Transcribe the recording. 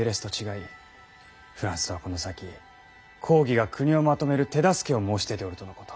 フランスはこの先公儀が国をまとめる手助けを申し出ておるとのこと。